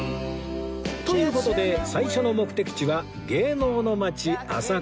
という事で最初の目的地は芸能の町浅草